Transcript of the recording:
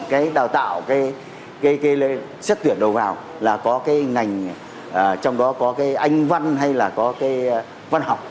cái đào tạo cái xét tuyển đầu vào là có cái ngành trong đó có cái anh văn hay là có cái văn học